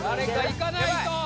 いかないと！